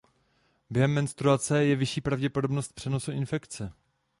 Během menstruace je vyšší pravděpodobnost přenosu infekce.